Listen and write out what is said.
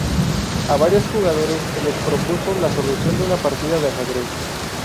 A varios jugadores, se les propuso la solución de una partida de ajedrez.